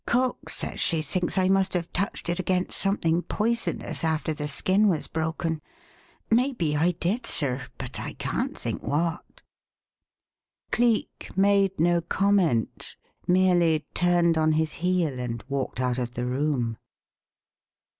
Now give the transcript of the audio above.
Cook says she thinks I must have touched it against something poisonous after the skin was broken. Maybe I did, sir, but I can't think what." Cleek made no comment; merely turned on his heel and walked out of the room.